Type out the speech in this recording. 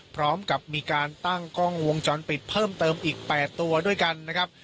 พร้อมกับมีการตั้งกล้องวงจรปิดเพิ่มเติมอีก๘ตัวด้วยกันนะครับ